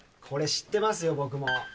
これ、知ってますよ、僕も。